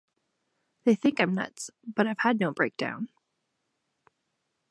They think I'm nuts, but I've had no breakdown.